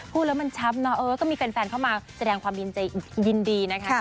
พูดแล้วมันชับนะเออก็มีแฟนเข้ามาแสดงความยินใจยินดีนะคะ